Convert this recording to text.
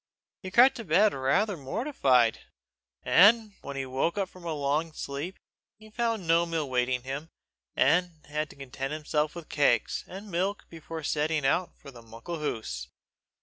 He crept to bed rather mortified. When he woke from a long sleep, he found no meal waiting him, and had to content himself with cakes and milk before setting out for "the Muckle Hoose."